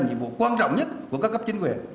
nhiệm vụ quan trọng nhất của các cấp chính quyền